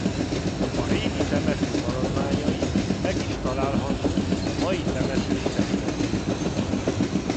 A régi temető maradványai meg is találhatók a mai temető területén.